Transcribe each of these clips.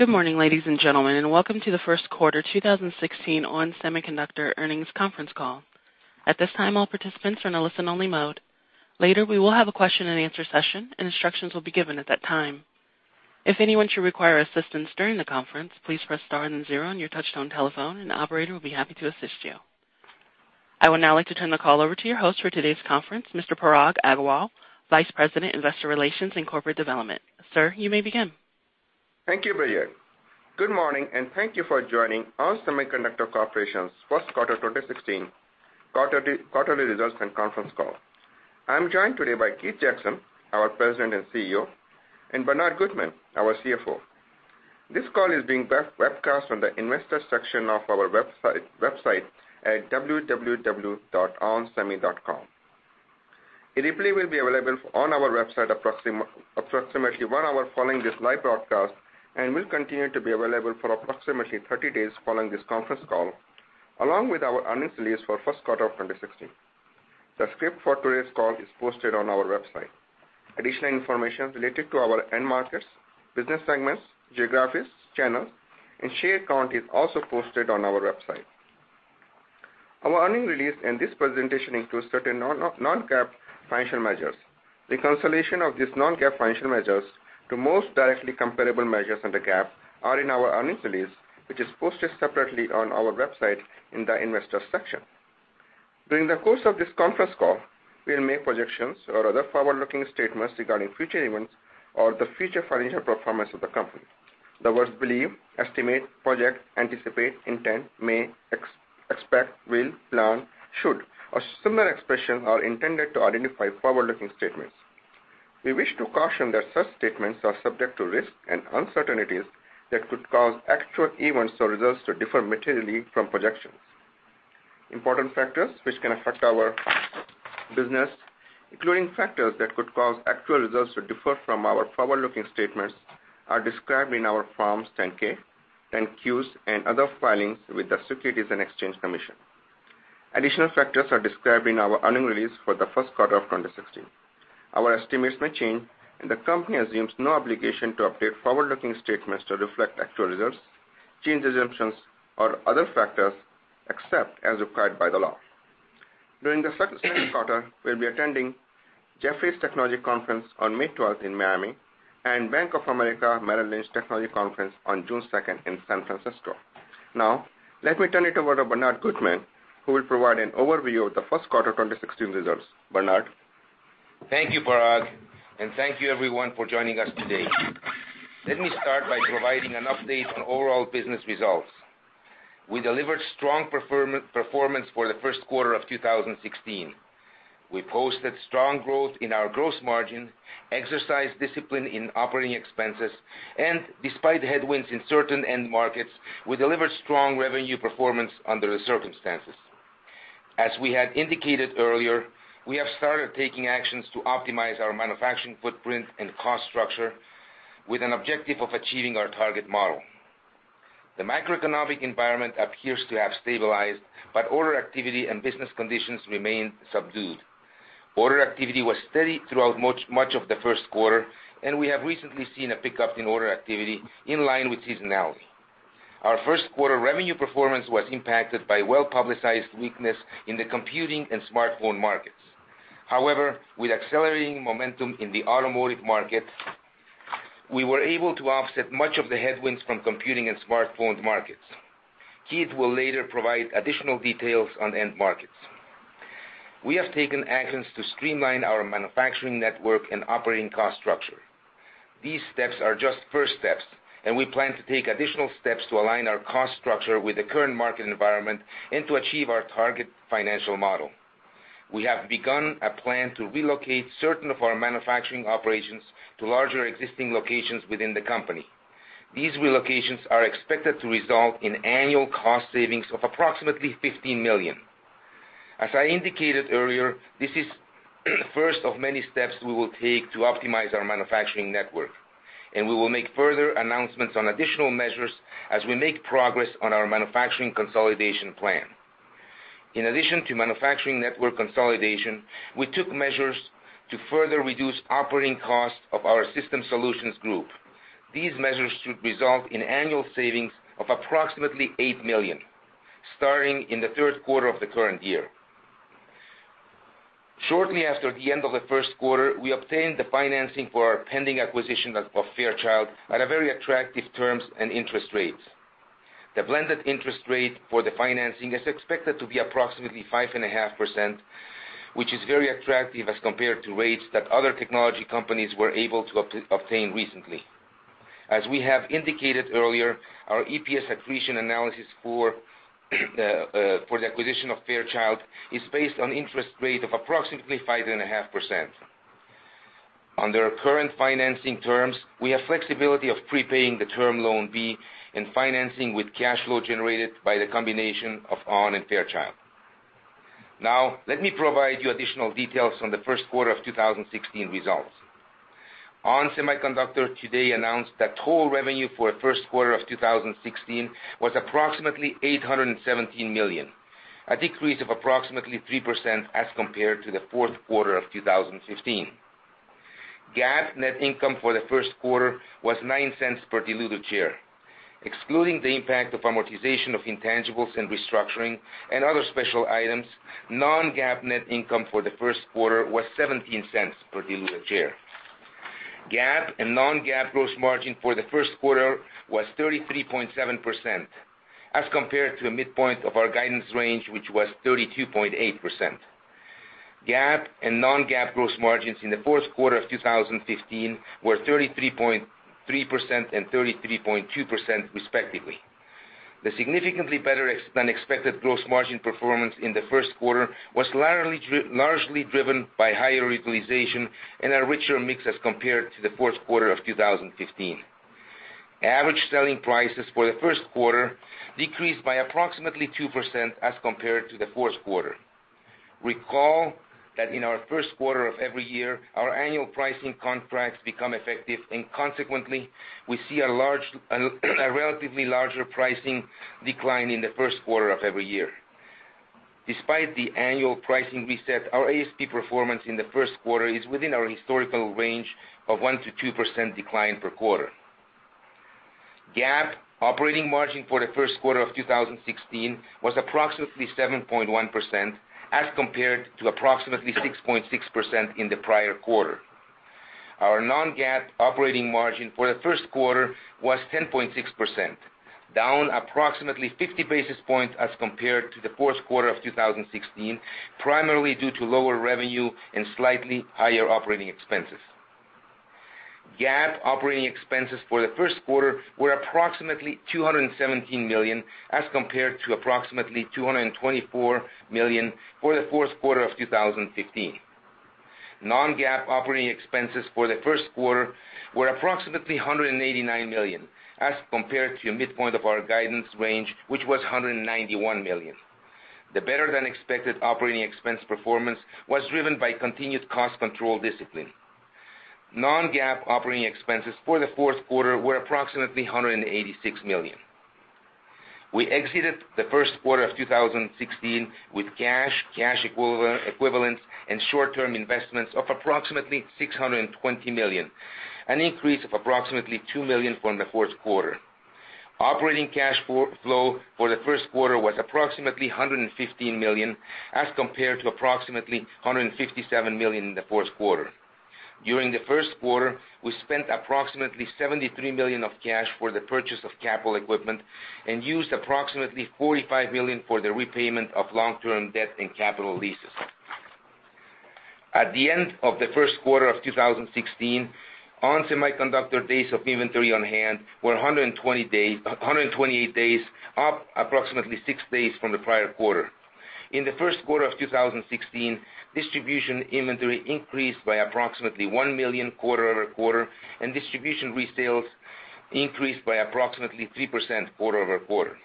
Good morning, ladies and gentlemen, and welcome to the first quarter 2016 ON Semiconductor earnings conference call. At this time, all participants are in a listen-only mode. Later, we will have a question and answer session, and instructions will be given at that time. If anyone should require assistance during the conference, please press star and zero on your touch-tone telephone, and the operator will be happy to assist you. I would now like to turn the call over to your host for today's conference, Mr. Parag Agarwal, Vice President, Investor Relations and Corporate Development. Sir, you may begin. Thank you, Brianne. Good morning, and thank you for joining ON Semiconductor Corporation's first quarter 2016 quarterly results and conference call. I'm joined today by Keith Jackson, our President and CEO, and Bernard Gutmann, our CFO. This call is being webcast on the investor section of our website at www.onsemi.com. A replay will be available on our website approximately 1 hour following this live broadcast and will continue to be available for approximately 30 days following this conference call, along with our earnings release for first quarter of 2016. The script for today's call is posted on our website. Additional information related to our end markets, business segments, geographies, channels, and share count is also posted on our website. Our earnings release and this presentation includes certain non-GAAP financial measures. Reconciliation of these non-GAAP financial measures to most directly comparable measures under GAAP are in our earnings release, which is posted separately on our website in the Investors section. During the course of this conference call, we'll make projections or other forward-looking statements regarding future events or the future financial performance of the company. The words believe, estimate, project, anticipate, intend, may, expect, will, plan, should, or similar expressions are intended to identify forward-looking statements. We wish to caution that such statements are subject to risks and uncertainties that could cause actual events or results to differ materially from projections. Important factors which can affect our business, including factors that could cause actual results to differ from our forward-looking statements, are described in our Forms 10-K, 10-Qs, and other filings with the Securities and Exchange Commission. Additional factors are described in our earnings release for the first quarter of 2016. Our estimates may change, and the company assumes no obligation to update forward-looking statements to reflect actual results, changed assumptions, or other factors, except as required by the law. During the second quarter, we'll be attending Jefferies Technology Conference on May 12th in Miami and Bank of America Merrill Lynch Technology Conference on June 2nd in San Francisco. Now, let me turn it over to Bernard Gutmann, who will provide an overview of the first quarter 2016 results. Bernard? Thank you, Parag, and thank you, everyone, for joining us today. Let me start by providing an update on overall business results. We delivered strong performance for the first quarter of 2016. We posted strong growth in our gross margin, exercised discipline in operating expenses, and despite headwinds in certain end markets, we delivered strong revenue performance under the circumstances. As we had indicated earlier, we have started taking actions to optimize our manufacturing footprint and cost structure with an objective of achieving our target model. The macroeconomic environment appears to have stabilized, but order activity and business conditions remain subdued. Order activity was steady throughout much of the first quarter, and we have recently seen a pickup in order activity in line with seasonality. Our first quarter revenue performance was impacted by well-publicized weakness in the computing and smartphone markets. With accelerating momentum in the automotive market, we were able to offset much of the headwinds from computing and smartphone markets. Keith will later provide additional details on end markets. We have taken actions to streamline our manufacturing network and operating cost structure. These steps are just first steps, and we plan to take additional steps to align our cost structure with the current market environment and to achieve our target financial model. We have begun a plan to relocate certain of our manufacturing operations to larger existing locations within the company. These relocations are expected to result in annual cost savings of approximately $15 million. As I indicated earlier, this is the first of many steps we will take to optimize our manufacturing network, and we will make further announcements on additional measures as we make progress on our manufacturing consolidation plan. In addition to manufacturing network consolidation, we took measures to further reduce operating costs of our System Solutions Group. These measures should result in annual savings of approximately $8 million, starting in the third quarter of the current year. Shortly after the end of the first quarter, we obtained the financing for our pending acquisition of Fairchild at very attractive terms and interest rates. The blended interest rate for the financing is expected to be approximately 5.5%, which is very attractive as compared to rates that other technology companies were able to obtain recently. As we have indicated earlier, our EPS accretion analysis for the acquisition of Fairchild is based on interest rate of approximately 5.5%. Under our current financing terms, we have flexibility of prepaying the Term Loan B and financing with cash flow generated by the combination of ON and Fairchild. Let me provide you additional details on the first quarter of 2016 results. ON Semiconductor today announced that total revenue for the first quarter of 2016 was approximately $817 million. A decrease of approximately 3% as compared to the fourth quarter of 2015. GAAP net income for the first quarter was $0.09 per diluted share. Excluding the impact of amortization of intangibles and restructuring and other special items, non-GAAP net income for the first quarter was $0.17 per diluted share. GAAP and non-GAAP gross margin for the first quarter was 33.7%, as compared to the midpoint of our guidance range, which was 32.8%. GAAP and non-GAAP gross margins in the fourth quarter of 2015 were 33.3% and 33.2% respectively. The significantly better than expected gross margin performance in the first quarter was largely driven by higher utilization and a richer mix as compared to the fourth quarter of 2015. Average selling prices for the first quarter decreased by approximately 2% as compared to the fourth quarter. Recall that in our first quarter of every year, our annual pricing contracts become effective. Consequently, we see a relatively larger pricing decline in the first quarter of every year. Despite the annual pricing reset, our ASP performance in the first quarter is within our historical range of 1%-2% decline per quarter. GAAP operating margin for the first quarter of 2016 was approximately 7.1%, as compared to approximately 6.6% in the prior quarter. Our non-GAAP operating margin for the first quarter was 10.6%, down approximately 50 basis points as compared to the fourth quarter of 2016, primarily due to lower revenue and slightly higher operating expenses. GAAP operating expenses for the first quarter were approximately $217 million, as compared to approximately $224 million for the fourth quarter of 2015. Non-GAAP operating expenses for the first quarter were approximately $189 million, as compared to the midpoint of our guidance range, which was $191 million. The better-than-expected operating expense performance was driven by continued cost control discipline. Non-GAAP operating expenses for the fourth quarter were approximately $186 million. We exited the first quarter of 2016 with cash equivalents, and short-term investments of approximately $620 million, an increase of approximately $2 million from the fourth quarter. Operating cash flow for the first quarter was approximately $115 million, as compared to approximately $157 million in the fourth quarter. During the first quarter, we spent approximately $73 million of cash for the purchase of capital equipment and used approximately $45 million for the repayment of long-term debt and capital leases. At the end of the first quarter of 2016, ON Semiconductor days of inventory on hand were 128 days, up approximately six days from the prior quarter. In the first quarter of 2016, distribution inventory increased by approximately $1 million quarter-over-quarter. Distribution resales increased by approximately 3% quarter-over-quarter.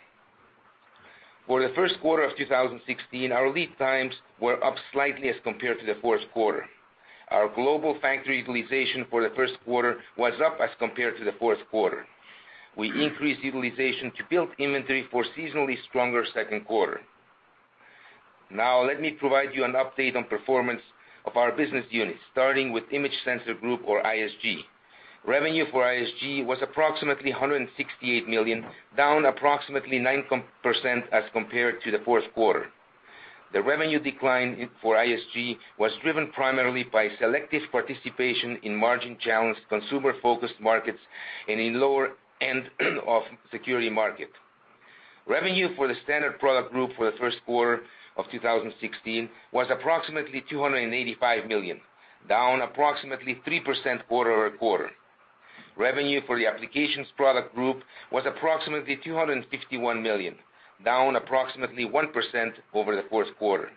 For the first quarter of 2016, our lead times were up slightly as compared to the fourth quarter. Our global factory utilization for the first quarter was up as compared to the fourth quarter. We increased utilization to build inventory for seasonally stronger second quarter. Now, let me provide you an update on performance of our business units, starting with Image Sensor Group or ISG. Revenue for ISG was approximately $168 million, down approximately 9% as compared to the fourth quarter. The revenue decline for ISG was driven primarily by selective participation in margin-challenged consumer-focused markets and in lower end of security market. Revenue for the Standard Product Group for the first quarter of 2016 was approximately $285 million, down approximately 3% quarter-over-quarter. Revenue for the Applications Product Group was approximately $251 million, down approximately 1% over the fourth quarter.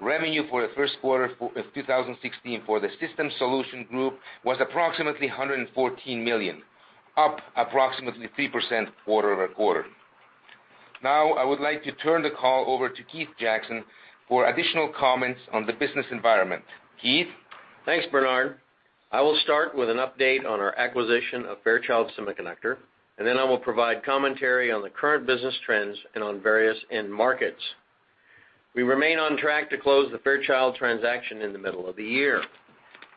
Revenue for the first quarter of 2016 for the System Solutions Group was approximately $114 million, up approximately 3% quarter-over-quarter. Now, I would like to turn the call over to Keith Jackson for additional comments on the business environment. Keith? Thanks, Bernard. I will start with an update on our acquisition of Fairchild Semiconductor, then I will provide commentary on the current business trends and on various end markets. We remain on track to close the Fairchild transaction in the middle of the year.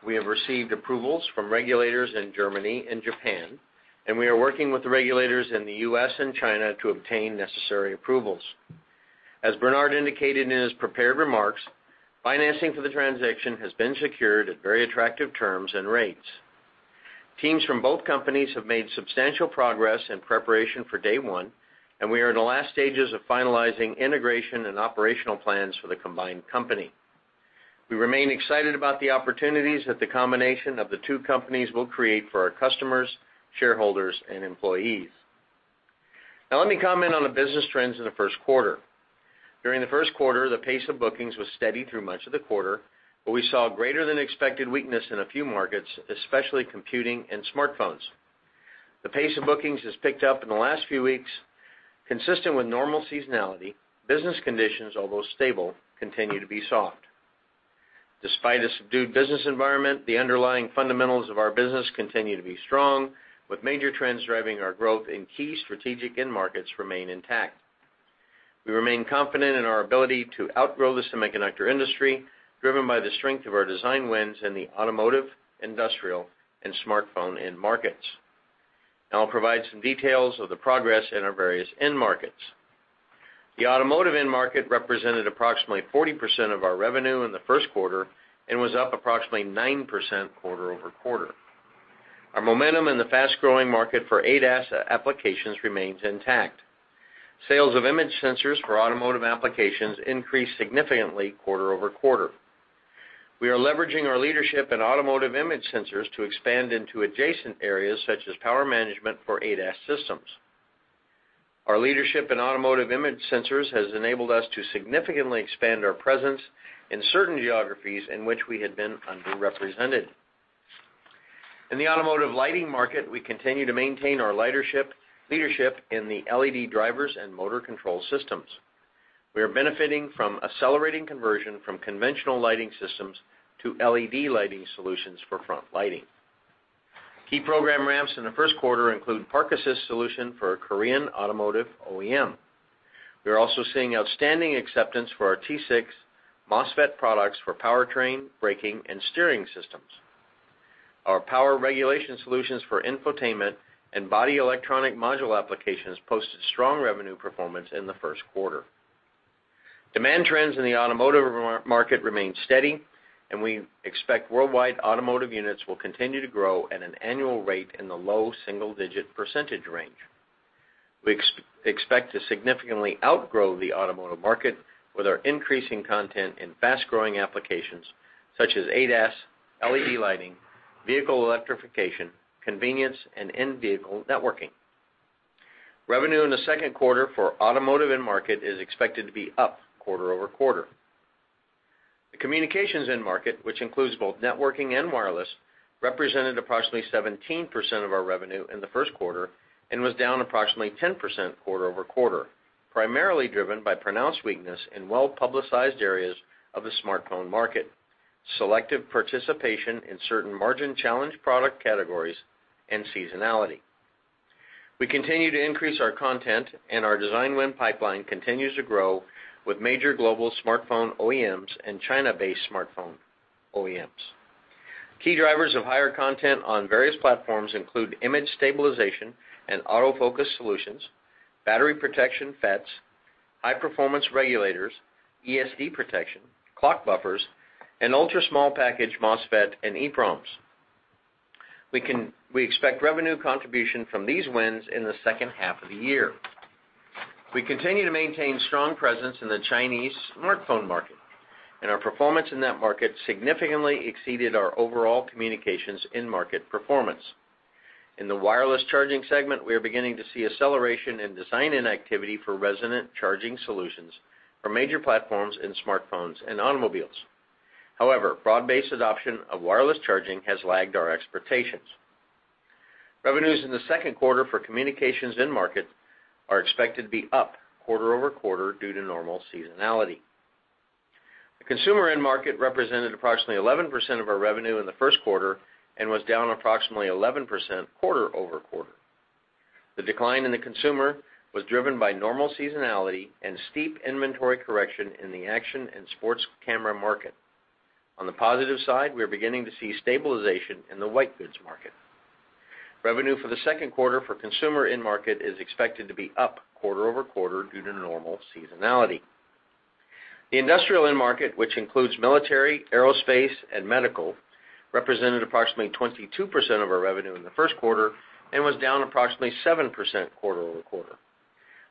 We have received approvals from regulators in Germany and Japan, we are working with the regulators in the U.S. and China to obtain necessary approvals. As Bernard indicated in his prepared remarks, financing for the transaction has been secured at very attractive terms and rates. Teams from both companies have made substantial progress in preparation for day one, we are in the last stages of finalizing integration and operational plans for the combined company. We remain excited about the opportunities that the combination of the two companies will create for our customers, shareholders, and employees. Let me comment on the business trends in the first quarter. During the first quarter, the pace of bookings was steady through much of the quarter, we saw greater than expected weakness in a few markets, especially computing and smartphones. The pace of bookings has picked up in the last few weeks. Consistent with normal seasonality, business conditions, although stable, continue to be soft. Despite a subdued business environment, the underlying fundamentals of our business continue to be strong, with major trends driving our growth in key strategic end markets remain intact. We remain confident in our ability to outgrow the semiconductor industry, driven by the strength of our design wins in the automotive, industrial, and smartphone end markets. I'll provide some details of the progress in our various end markets. The automotive end market represented approximately 40% of our revenue in the first quarter and was up approximately 9% quarter-over-quarter. Our momentum in the fast-growing market for ADAS applications remains intact. Sales of image sensors for automotive applications increased significantly quarter-over-quarter. We are leveraging our leadership in automotive image sensors to expand into adjacent areas such as power management for ADAS systems. Our leadership in automotive image sensors has enabled us to significantly expand our presence in certain geographies in which we had been underrepresented. In the automotive lighting market, we continue to maintain our leadership in the LED drivers and motor control systems. We are benefiting from accelerating conversion from conventional lighting systems to LED lighting solutions for front lighting. Key program ramps in the first quarter include park assist solution for a Korean automotive OEM. We are also seeing outstanding acceptance for our T6 MOSFET products for powertrain, braking, and steering systems. Our power regulation solutions for infotainment and body electronic module applications posted strong revenue performance in the first quarter. Demand trends in the automotive market remain steady, we expect worldwide automotive units will continue to grow at an annual rate in the low single-digit percentage range. We expect to significantly outgrow the automotive market with our increasing content in fast-growing applications such as ADAS, LED lighting, vehicle electrification, convenience, and in-vehicle networking. Revenue in the second quarter for automotive end market is expected to be up quarter-over-quarter. The communications end market, which includes both networking and wireless, represented approximately 17% of our revenue in the first quarter and was down approximately 10% quarter-over-quarter, primarily driven by pronounced weakness in well-publicized areas of the smartphone market, selective participation in certain margin-challenged product categories, and seasonality. We continue to increase our content, and our design win pipeline continues to grow with major global smartphone OEMs and China-based smartphone OEMs. Key drivers of higher content on various platforms include image stabilization and autofocus solutions, battery protection FETs, high-performance regulators, ESD protection, clock buffers, and ultra-small package MOSFET and EEPROMs. We expect revenue contribution from these wins in the second half of the year. We continue to maintain strong presence in the Chinese smartphone market, and our performance in that market significantly exceeded our overall communications end market performance. In the wireless charging segment, we are beginning to see acceleration in design-in activity for resonant charging solutions for major platforms in smartphones and automobiles. However, broad-based adoption of wireless charging has lagged our expectations. Revenues in the second quarter for communications end market are expected to be up quarter-over-quarter due to normal seasonality. The consumer end market represented approximately 11% of our revenue in the first quarter and was down approximately 11% quarter-over-quarter. The decline in the consumer was driven by normal seasonality and steep inventory correction in the action and sports camera market. On the positive side, we are beginning to see stabilization in the white goods market. Revenue for the second quarter for consumer end market is expected to be up quarter-over-quarter due to normal seasonality. The industrial end market, which includes military, aerospace, and medical, represented approximately 22% of our revenue in the first quarter and was down approximately 7% quarter-over-quarter.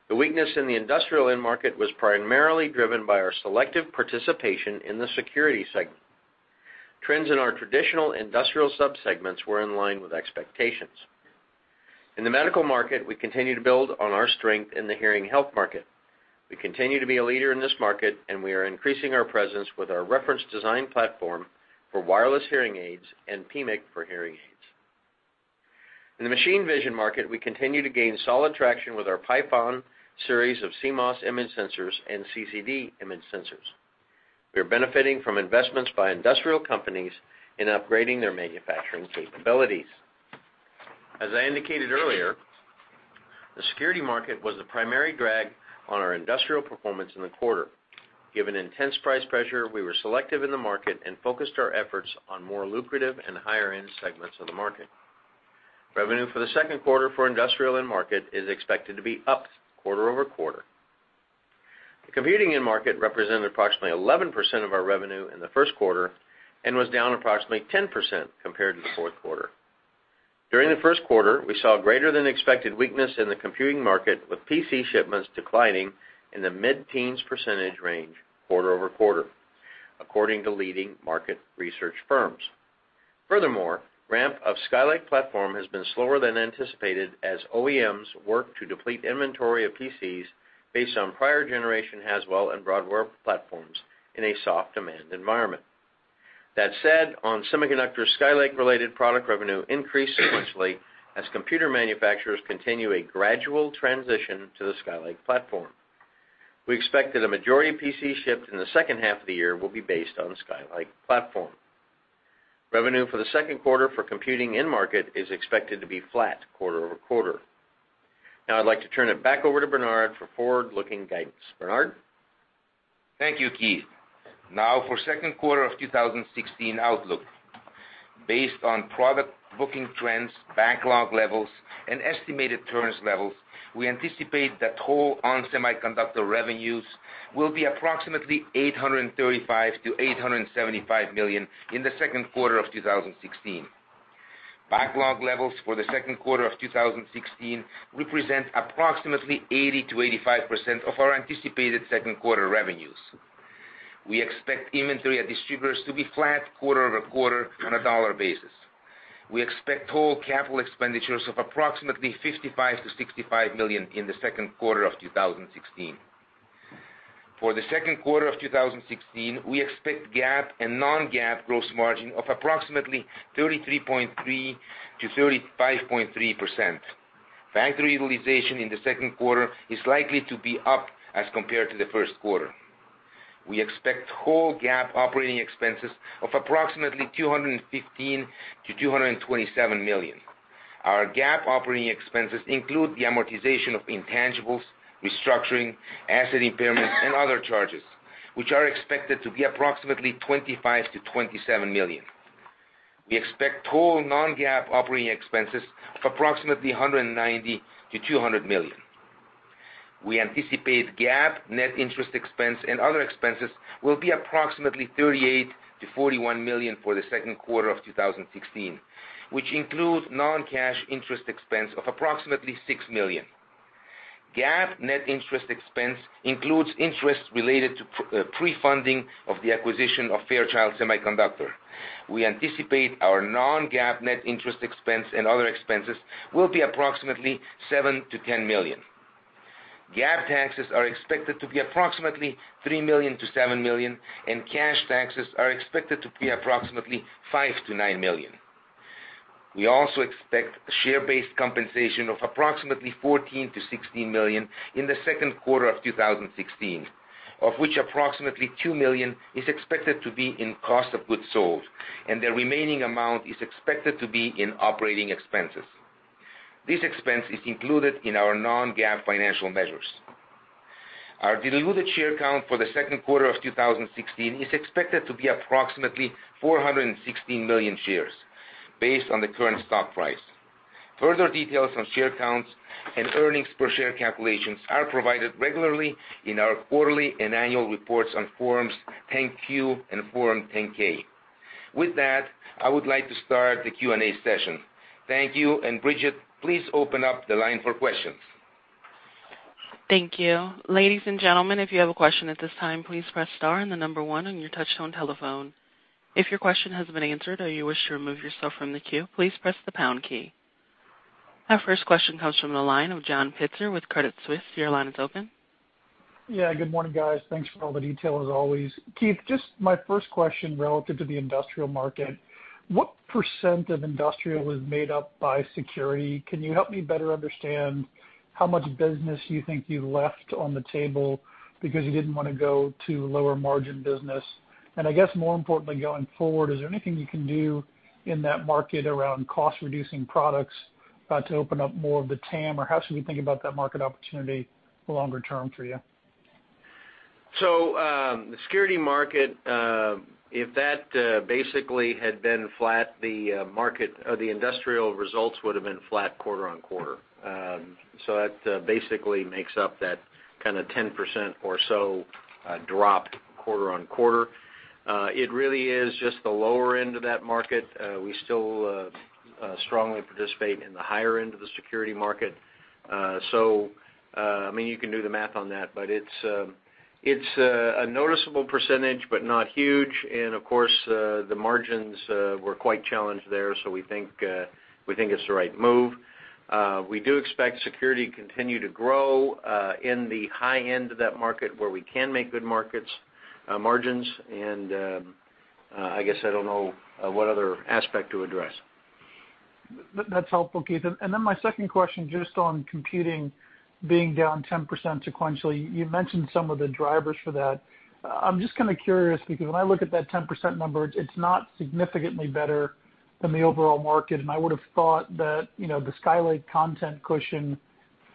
The weakness in the industrial end market was primarily driven by our selective participation in the security segment. Trends in our traditional industrial subsegments were in line with expectations. In the medical market, we continue to build on our strength in the hearing health market. We continue to be a leader in this market, and we are increasing our presence with our reference design platform for wireless hearing aids and PMIC for hearing aids. In the machine vision market, we continue to gain solid traction with our PYTHON series of CMOS image sensors and CCD image sensors. We are benefiting from investments by industrial companies in upgrading their manufacturing capabilities. As I indicated earlier, the security market was the primary drag on our industrial performance in the quarter. Given intense price pressure, we were selective in the market and focused our efforts on more lucrative and higher-end segments of the market. Revenue for the second quarter for industrial end market is expected to be up quarter-over-quarter. The computing end market represented approximately 11% of our revenue in the first quarter and was down approximately 10% compared to the fourth quarter. During the first quarter, we saw greater than expected weakness in the computing market, with PC shipments declining in the mid-teens percentage range quarter-over-quarter, according to leading market research firms. Furthermore, ramp of Skylake platform has been slower than anticipated as OEMs work to deplete inventory of PCs based on prior generation Haswell and Broadwell platforms in a soft demand environment. That said, ON Semiconductor, Skylake-related product revenue increased sequentially as computer manufacturers continue a gradual transition to the Skylake platform. We expect that a majority of PC shipped in the second half of the year will be based on Skylake platform. Revenue for the second quarter for computing end market is expected to be flat quarter-over-quarter. I'd like to turn it back over to Bernard for forward-looking guidance. Bernard? Thank you, Keith. For second quarter of 2016 outlook. Based on product booking trends, backlog levels, and estimated turns levels, we anticipate that whole ON Semiconductor revenues will be approximately $835 million-$875 million in the second quarter of 2016. Backlog levels for the second quarter of 2016 represent approximately 80%-85% of our anticipated second quarter revenues. We expect inventory at distributors to be flat quarter-over-quarter on a dollar basis. We expect total capital expenditures of approximately $55 million-$65 million in the second quarter of 2016. For the second quarter of 2016, we expect GAAP and non-GAAP gross margin of approximately 33.3%-35.3%. Factory utilization in the second quarter is likely to be up as compared to the first quarter. We expect whole GAAP operating expenses of approximately $215 million-$227 million. Our GAAP operating expenses include the amortization of intangibles, restructuring, asset impairments, and other charges, which are expected to be approximately $25 million-$27 million. We expect total non-GAAP operating expenses of approximately $190 million-$200 million. We anticipate GAAP net interest expense and other expenses will be approximately $38 million-$41 million for the second quarter of 2016, which includes non-cash interest expense of approximately $6 million. GAAP net interest expense includes interests related to pre-funding of the acquisition of Fairchild Semiconductor. We anticipate our non-GAAP net interest expense and other expenses will be approximately $7 million-$10 million. GAAP taxes are expected to be approximately $3 million-$7 million, and cash taxes are expected to be approximately $5 million-$9 million. We also expect share-based compensation of approximately $14 million-$16 million in the second quarter of 2016, of which approximately $2 million is expected to be in cost of goods sold, and the remaining amount is expected to be in operating expenses. This expense is included in our non-GAAP financial measures. Our diluted share count for the second quarter of 2016 is expected to be approximately 416 million shares, based on the current stock price. Further details on share counts and earnings per share calculations are provided regularly in our quarterly and annual reports on forms 10-Q and form 10-K. With that, I would like to start the Q&A session. Thank you, and Bridget, please open up the line for questions. Thank you. Ladies and gentlemen, if you have a question at this time, please press star and the number one on your touchtone telephone. If your question has been answered or you wish to remove yourself from the queue, please press the pound key. Our first question comes from the line of John Pitzer with Credit Suisse. Your line is open. Yeah. Good morning, guys. Thanks for all the detail as always. Keith, just my first question relative to the industrial market, what % of industrial is made up by security? Can you help me better understand how much business you think you left on the table because you didn't want to go to lower margin business? And I guess more importantly going forward, is there anything you can do in that market around cost-reducing products to open up more of the TAM, or how should we think about that market opportunity longer term for you? The security market, if that basically had been flat, the industrial results would've been flat quarter-over-quarter. That basically makes up that kind of 10% or so drop quarter-over-quarter. It really is just the lower end of that market. We still strongly participate in the higher end of the security market. You can do the math on that, but it's a noticeable % but not huge. Of course, the margins were quite challenged there, we think it's the right move. We do expect security to continue to grow in the high end of that market where we can make good margins, I guess I don't know what other aspect to address. That's helpful, Keith. Then my second question, just on computing being down 10% sequentially, you mentioned some of the drivers for that. I'm just kind of curious because when I look at that 10% number, it's not significantly better than the overall market, and I would've thought that the Skylake content cushion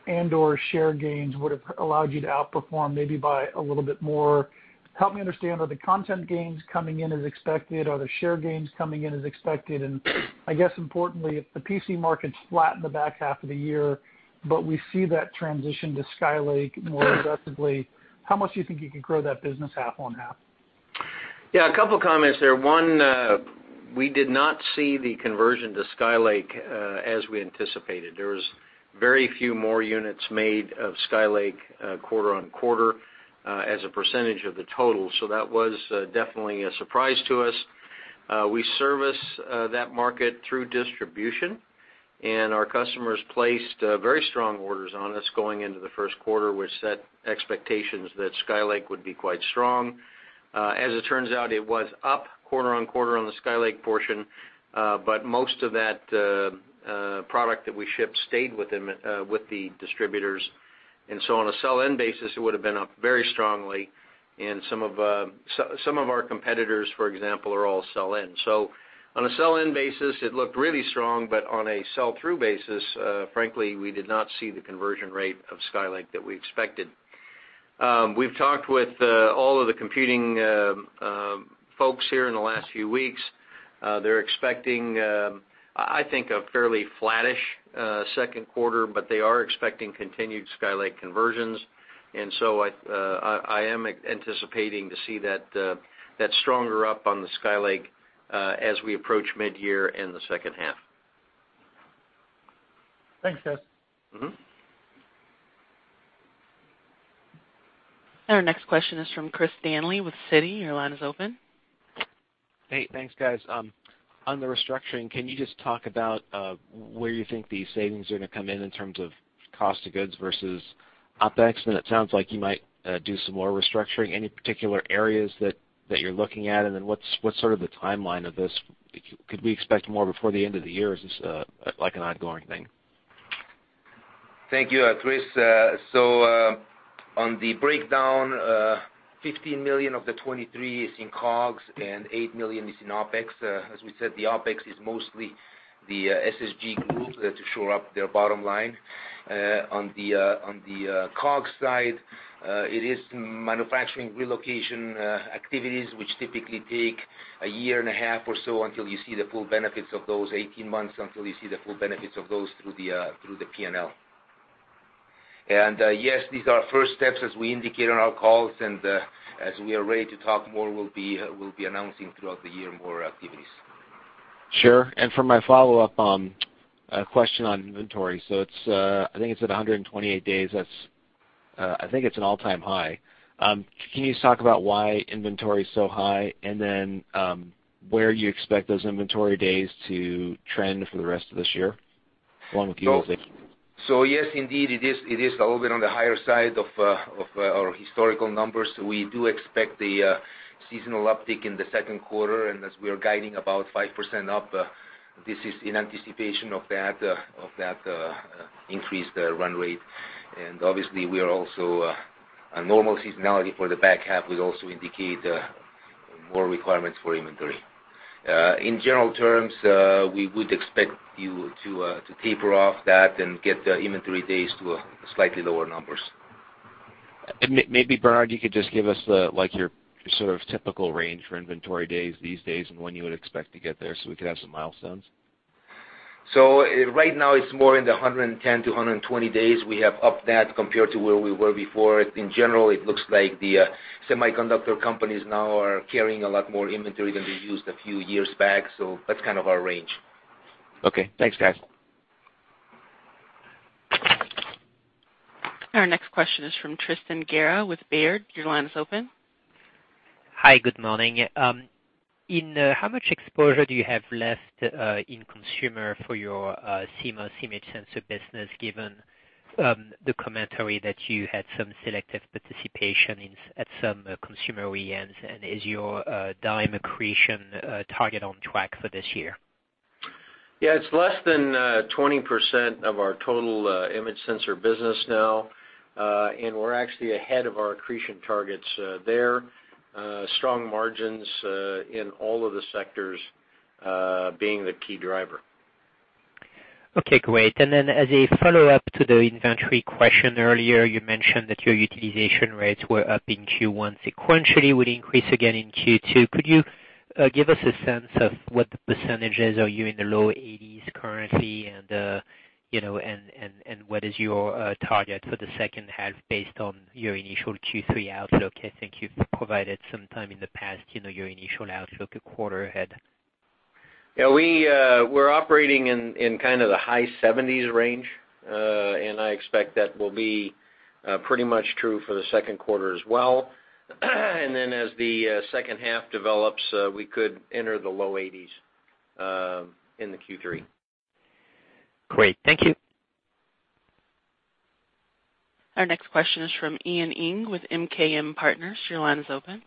and/or share gains would've allowed you to outperform maybe by a little bit more. Help me understand, are the content gains coming in as expected? Are the share gains coming in as expected? I guess importantly, if the PC market's flat in the back half of the year, but we see that transition to Skylake more aggressively, how much do you think you could grow that business half-on-half? Yeah. A couple comments there. One, we did not see the conversion to Skylake as we anticipated. There was very few more units made of Skylake quarter-on-quarter as a percentage of the total. That was definitely a surprise to us. We service that market through distribution, and our customers placed very strong orders on us going into the first quarter, which set expectations that Skylake would be quite strong. As it turns out, it was up quarter-on-quarter on the Skylake portion. Most of that product that we shipped stayed with the distributors. On a sell-in basis, it would have been up very strongly, and some of our competitors, for example, are all sell-in. On a sell-in basis, it looked really strong, but on a sell-through basis, frankly, we did not see the conversion rate of Skylake that we expected. We've talked with all of the computing folks here in the last few weeks. They're expecting, I think, a fairly flattish second quarter, but they are expecting continued Skylake conversions. I am anticipating to see that stronger up on the Skylake, as we approach mid-year and the second half. Thanks, Keith. Our next question is from Christopher Danely with Citi. Your line is open. Hey, thanks, guys. On the restructuring, can you just talk about where you think these savings are going to come in terms of COGS versus OPEX? It sounds like you might do some more restructuring. Any particular areas that you're looking at, what's sort of the timeline of this? Could we expect more before the end of the year, or is this an ongoing thing? Thank you, Chris. On the breakdown, $15 million of the $23 million is in COGS and $8 million is in OPEX. As we said, the OPEX is mostly the SSG group to shore up their bottom line. On the COGS side, it is manufacturing relocation activities, which typically take a year and a half or so until you see the full benefits of those 18 months, until you see the full benefits of those through the P&L. Yes, these are first steps as we indicate on our calls, and as we are ready to talk more, we'll be announcing throughout the year more activities. Sure. For my follow-up question on inventory, I think it's at 128 days. I think it's an all-time high. Can you talk about why inventory is so high, where you expect those inventory days to trend for the rest of this year, along with you, Zvi? Yes, indeed, it is a little bit on the higher side of our historical numbers. We do expect the seasonal uptick in the second quarter, and as we are guiding about 5% up, this is in anticipation of that increased run rate. Obviously, a normal seasonality for the back half will also indicate more requirements for inventory. In general terms, we would expect you to taper off that and get the inventory days to slightly lower numbers. maybe, Bernard, you could just give us your sort of typical range for inventory days these days and when you would expect to get there so we could have some milestones. Right now, it's more in the 110-120 days. We have upped that compared to where we were before. In general, it looks like the semiconductor companies now are carrying a lot more inventory than they used a few years back. That's kind of our range. Okay, thanks, guys. Our next question is from Tristan Gerra with Baird. Your line is open. Hi, good morning. How much exposure do you have left in consumer for your CMOS image sensor business, given the commentary that you had some selective participation at some consumer OEMs, and is your dime accretion target on track for this year? Yeah, it's less than 20% of our total image sensor business now. We're actually ahead of our accretion targets there. Strong margins in all of the sectors being the key driver. Okay, great. As a follow-up to the inventory question earlier, you mentioned that your utilization rates were up in Q1. Sequentially, would it increase again in Q2? Could you give us a sense of what the percentages are you in the low 80s currently, and what is your target for the second half based on your initial Q3 outlook? I think you've provided some time in the past, your initial outlook a quarter ahead. Yeah, we're operating in kind of the high 70s range, and I expect that will be pretty much true for the second quarter as well. As the second half develops, we could enter the low 80s in the Q3. Great. Thank you. Our next question is from Ian Ing with MKM Partners. Your line is open.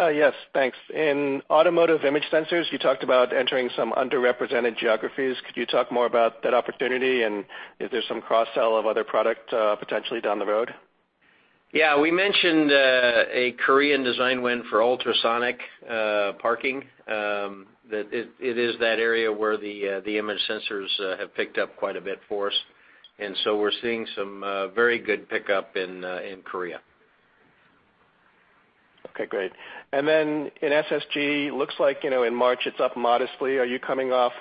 Yes, thanks. In automotive image sensors, you talked about entering some underrepresented geographies. Could you talk more about that opportunity, and is there some cross-sell of other product potentially down the road? Yeah, we mentioned a Korean design win for ultrasonic parking. It is that area where the image sensors have picked up quite a bit for us, and so we're seeing some very good pickup in Korea. Okay, great. In SSG, looks like in March, it's up modestly. Are you coming off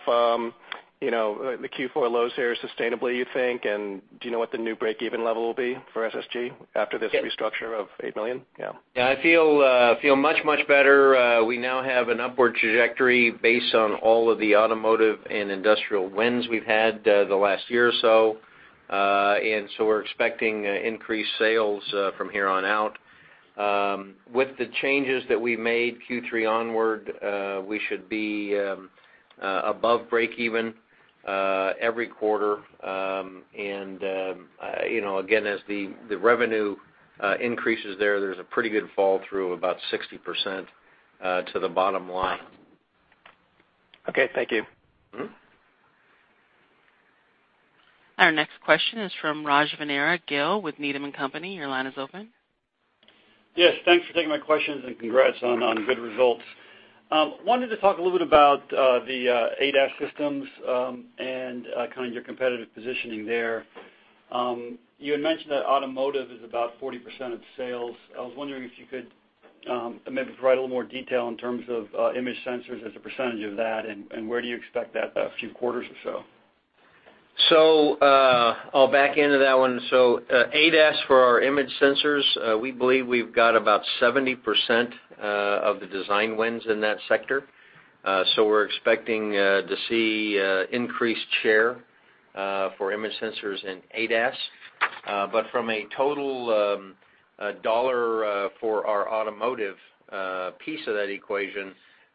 the Q4 lows here sustainably, you think, and do you know what the new break-even level will be for SSG after this restructure of $8 million? Yeah. Yeah, I feel much, much better. We now have an upward trajectory based on all of the automotive and industrial wins we've had the last year or so. We're expecting increased sales from here on out. With the changes that we made Q3 onward, we should be above break even every quarter. As the revenue increases there's a pretty good fall-through, about 60% to the bottom line. Okay, thank you. Our next question is from Rajvindra Gill with Needham & Company. Your line is open. Yes. Thanks for taking my questions and congrats on good results. Wanted to talk a little bit about the ADAS systems, and your competitive positioning there. You had mentioned that automotive is about 40% of sales. I was wondering if you could maybe provide a little more detail in terms of image sensors as a percentage of that, and where do you expect that a few quarters or so? I'll back into that one. ADAS, for our image sensors, we believe we've got about 70% of the design wins in that sector. We're expecting to see increased share for image sensors in ADAS. From a total dollar for our automotive piece of that equation,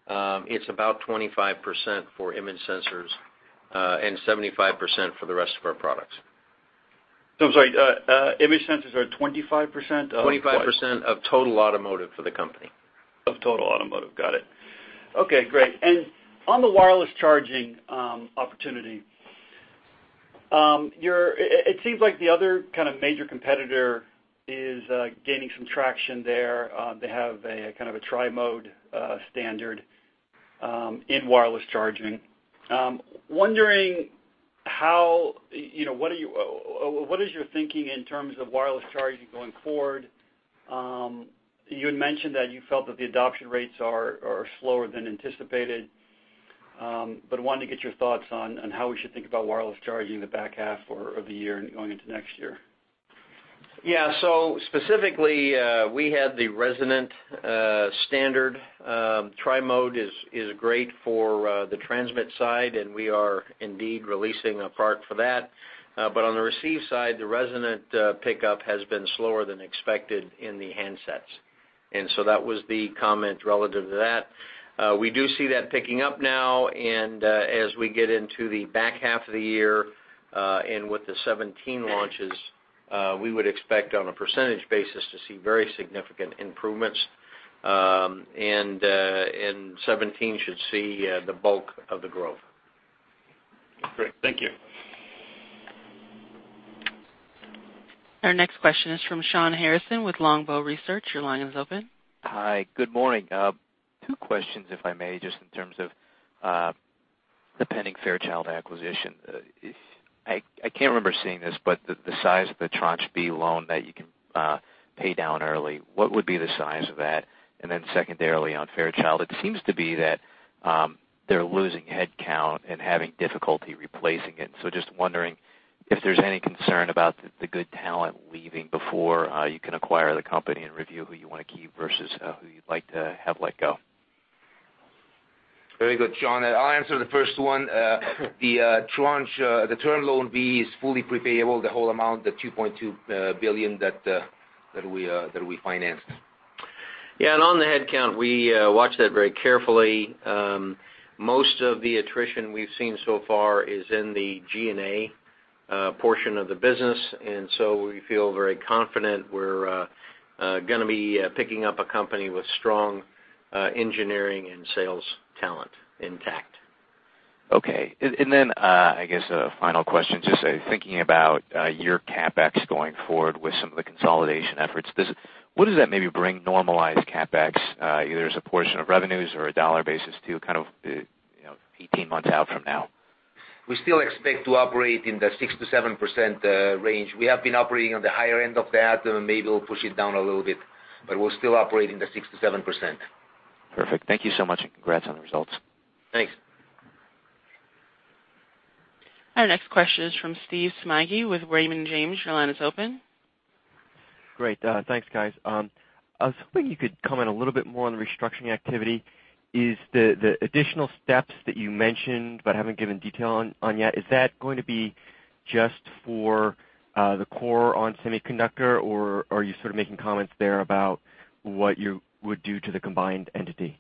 it's about 25% for image sensors, and 75% for the rest of our products. I'm sorry, image sensors are 25% of- 25% of total automotive for the company. Of total automotive. Got it. Okay, great. On the wireless charging opportunity, it seems like the other kind of major competitor is gaining some traction there. They have a kind of a tri-mode standard in wireless charging. Wondering, what is your thinking in terms of wireless charging going forward? You had mentioned that you felt that the adoption rates are slower than anticipated. Wanted to get your thoughts on how we should think about wireless charging in the back half of the year and going into next year. Yeah. Specifically, we had the resonant standard. Tri-mode is great for the transmit side, and we are indeed releasing a part for that. On the receive side, the resonant pickup has been slower than expected in the handsets, and so that was the comment relative to that. We do see that picking up now and as we get into the back half of the year, and with the 2017 launches, we would expect on a percentage basis to see very significant improvements, and 2017 should see the bulk of the growth. Great. Thank you. Our next question is from Shawn Harrison with Longbow Research. Your line is open. Hi. Good morning. Two questions, if I may, just in terms of the pending Fairchild acquisition. I can't remember seeing this, but the size of the Tranche B loan that you can pay down early, what would be the size of that? Secondarily, on Fairchild, it seems to be that they're losing headcount and having difficulty replacing it. Just wondering if there's any concern about the good talent leaving before you can acquire the company and review who you want to keep versus who you'd like to have let go. Very good, Shawn. I'll answer the first one. The Term Loan B is fully pre-payable, the whole amount, the $2.2 billion that we financed. On the headcount, we watch that very carefully. Most of the attrition we've seen so far is in the G&A portion of the business, we feel very confident we're going to be picking up a company with strong engineering and sales talent intact. Okay. I guess a final question, just thinking about your CapEx going forward with some of the consolidation efforts. What does that maybe bring normalized CapEx, either as a portion of revenues or a dollar basis to kind of 18 months out from now? We still expect to operate in the 6%-7% range. We have been operating on the higher end of that. Maybe we'll push it down a little bit, we're still operating the 6%-7%. Perfect. Thank you so much, and congrats on the results. Thanks. Our next question is from Steve Smigie with Raymond James. Your line is open. Great. Thanks, guys. I was hoping you could comment a little bit more on the restructuring activity. Is the additional steps that you mentioned but haven't given detail on yet, is that going to be just for the core ON Semiconductor, or are you sort of making comments there about what you would do to the combined entity?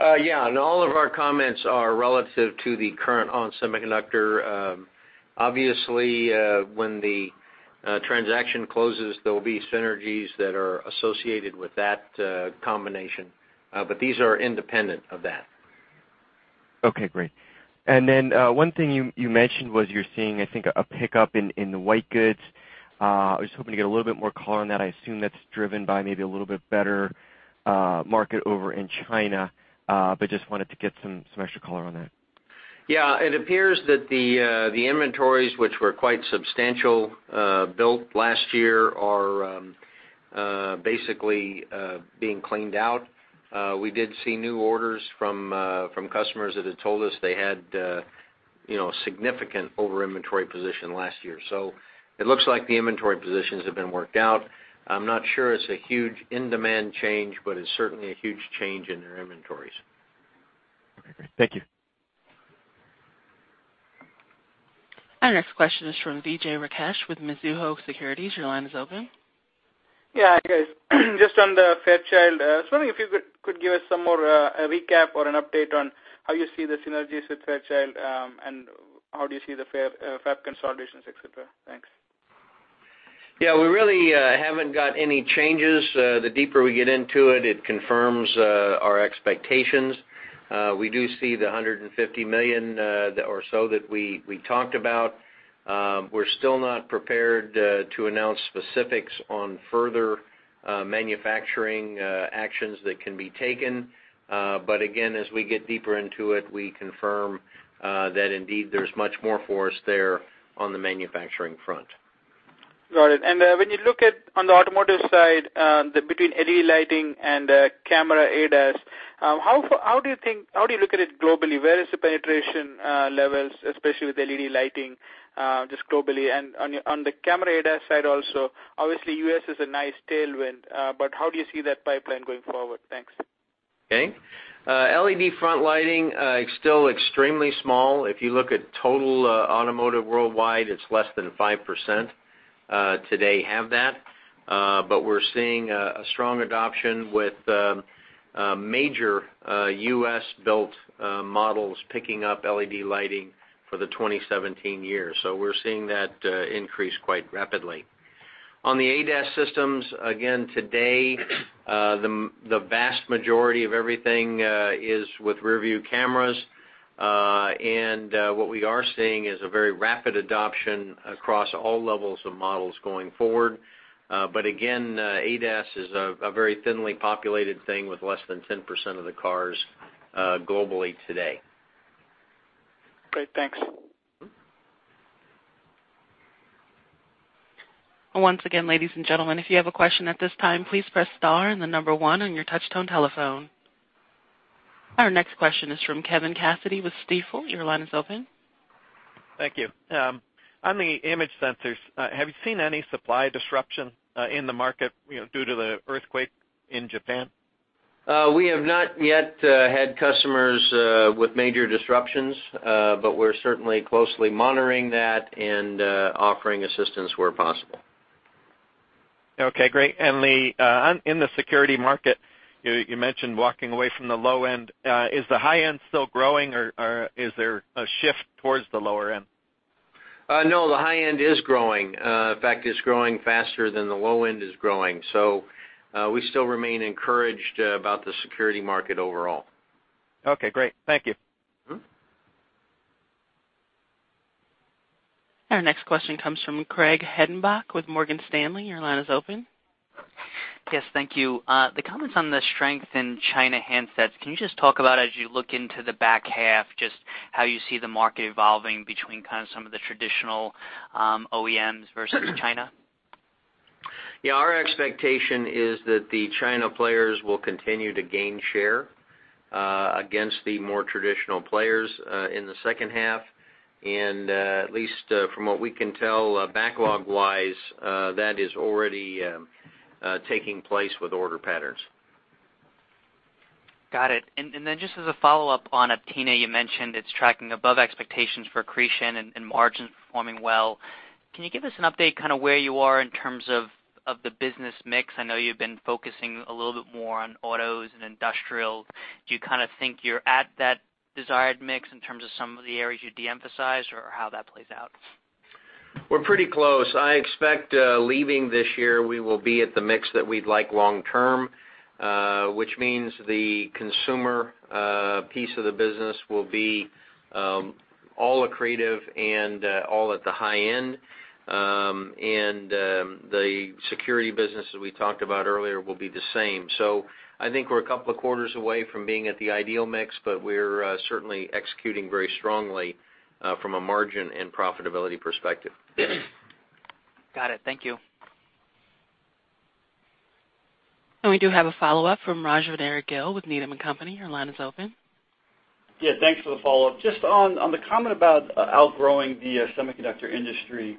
Yeah. No, all of our comments are relative to the current ON Semiconductor. Obviously, when the transaction closes, there will be synergies that are associated with that combination. These are independent of that. Okay, great. One thing you mentioned was you're seeing, I think, a pickup in the white goods. I was hoping to get a little bit more color on that. I assume that's driven by maybe a little bit better market over in China, but just wanted to get some extra color on that. Yeah. It appears that the inventories, which were quite substantial built last year, are basically being cleaned out. We did see new orders from customers that had told us they had significant over-inventory position last year. It looks like the inventory positions have been worked out. I'm not sure it's a huge in-demand change, but it's certainly a huge change in their inventories. Okay, great. Thank you. Our next question is from Vijay Rakesh with Mizuho Securities. Your line is open. Yeah, hi guys. Just on the Fairchild, I was wondering if you could give us some more recap or an update on how you see the synergies with Fairchild, and how do you see the fab consolidations, et cetera? Thanks. Yeah, we really haven't got any changes. The deeper we get into it confirms our expectations. We do see the $150 million or so that we talked about. We're still not prepared to announce specifics on further manufacturing actions that can be taken. Again, as we get deeper into it, we confirm that indeed there's much more for us there on the manufacturing front. Got it. When you look on the automotive side, between LED lighting and camera ADAS, how do you look at it globally? Where is the penetration levels, especially with LED lighting, just globally? On the camera ADAS side also, obviously, U.S. is a nice tailwind, how do you see that pipeline going forward? Thanks. Okay. LED front lighting is still extremely small. If you look at total automotive worldwide, it's less than 5% today have that. We're seeing a strong adoption with major U.S.-built models picking up LED lighting for the 2017 year. We're seeing that increase quite rapidly. On the ADAS systems, again, today, the vast majority of everything is with rearview cameras. What we are seeing is a very rapid adoption across all levels of models going forward. Again, ADAS is a very thinly populated thing with less than 10% of the cars globally today. Great, thanks. Once again, ladies and gentlemen, if you have a question at this time, please press star and the number 1 on your touch-tone telephone. Our next question is from Kevin Cassidy with Stifel. Your line is open. Thank you. On the image sensors, have you seen any supply disruption in the market due to the earthquake in Japan? We have not yet had customers with major disruptions, but we're certainly closely monitoring that and offering assistance where possible. Okay, great. In the security market, you mentioned walking away from the low end. Is the high end still growing, or is there a shift towards the lower end? No, the high end is growing. In fact, it's growing faster than the low end is growing. We still remain encouraged about the security market overall. Okay, great. Thank you. Our next question comes from Craig Hettenbach with Morgan Stanley. Your line is open. Yes, thank you. The comments on the strength in China handsets, can you just talk about as you look into the back half, just how you see the market evolving between kind of some of the traditional OEMs versus China? Yeah, our expectation is that the China players will continue to gain share against the more traditional players in the second half. At least from what we can tell backlog wise, that is already taking place with order patterns. Got it. Just as a follow-up on Aptina, you mentioned it's tracking above expectations for accretion and margins performing well. Can you give us an update kind of where you are in terms of the business mix? I know you've been focusing a little bit more on autos and industrial. Do you kind of think you're at that desired mix in terms of some of the areas you de-emphasize or how that plays out? We're pretty close. I expect leaving this year, we will be at the mix that we'd like long term, which means the consumer piece of the business will be all accretive and all at the high end. The security business, as we talked about earlier, will be the same. I think we're a couple of quarters away from being at the ideal mix, but we're certainly executing very strongly from a margin and profitability perspective. Got it. Thank you. We do have a follow-up from Rajvindra Gill with Needham & Company. Your line is open. Yeah, thanks for the follow-up. Just on the comment about outgrowing the semiconductor industry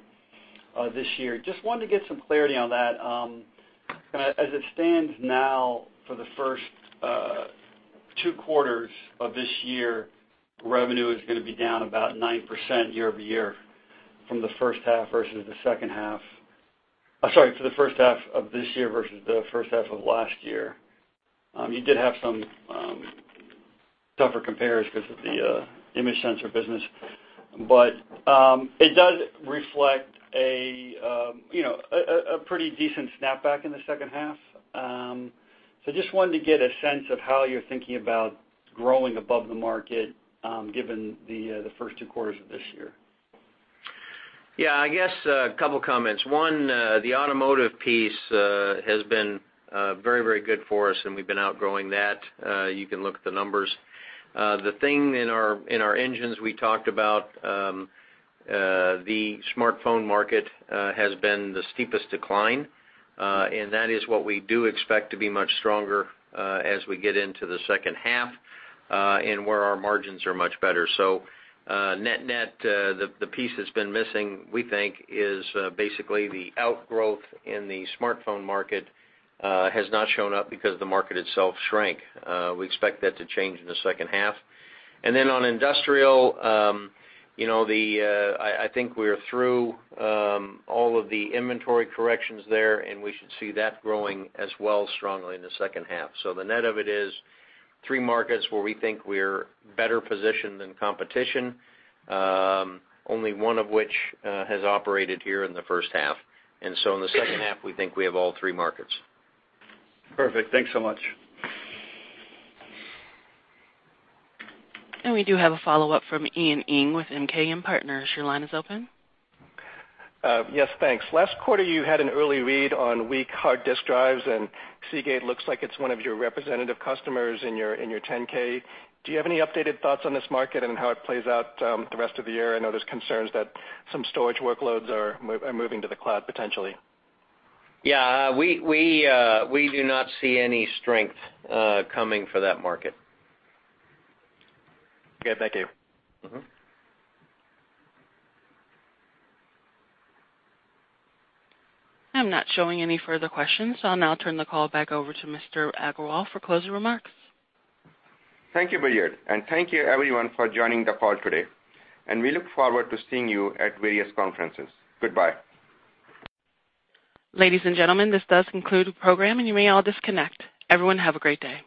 this year, just wanted to get some clarity on that. As it stands now, for the first two quarters of this year, revenue is going to be down about 9% year-over-year for the first half of this year versus the first half of last year. You did have some tougher compares because of the image sensor business, but it does reflect a pretty decent snapback in the second half. Just wanted to get a sense of how you're thinking about growing above the market given the first two quarters of this year. Yeah, I guess a couple of comments. One, the automotive piece has been very good for us, and we've been outgrowing that. You can look at the numbers. The thing in our engines we talked about, the smartphone market has been the steepest decline, and that is what we do expect to be much stronger as we get into the second half, and where our margins are much better. Net, the piece that's been missing, we think, is basically the outgrowth in the smartphone market has not shown up because the market itself shrank. We expect that to change in the second half. Then on industrial, I think we're through all of the inventory corrections there, and we should see that growing as well strongly in the second half. The net of it is three markets where we think we're better positioned than competition, only one of which has operated here in the first half. In the second half, we think we have all three markets. Perfect. Thanks so much. We do have a follow-up from Ian Ng with MKM Partners. Your line is open. Yes, thanks. Last quarter, you had an early read on weak hard disk drives, and Seagate looks like it's one of your representative customers in your 10-K. Do you have any updated thoughts on this market and how it plays out the rest of the year? I know there's concerns that some storage workloads are moving to the cloud potentially. Yeah, we do not see any strength coming for that market. Good. Thank you. I'm not showing any further questions. I'll now turn the call back over to Mr. Agarwal for closing remarks. Thank you, Bill. Thank you, everyone, for joining the call today. We look forward to seeing you at various conferences. Goodbye. Ladies and gentlemen, this does conclude the program, and you may all disconnect. Everyone, have a great day.